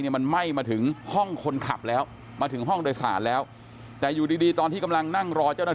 ก็ตบเลยเพราะกูบอกนายกลับมาทีนี้แล้วเราดูว่าคงจะเข้ามา